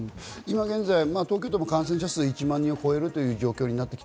現在、東京都の感染者数が１万人を超えるという状況です。